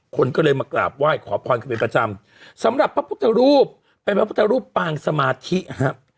คนก็เลยมากราบไหว้ขอพรกันเป็นประจำสำหรับพระพุทธรูปเป็นพระพุทธรูปปางสมาธิครับ